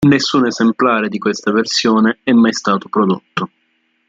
Nessun esemplare di questa versione è mai stato prodotto.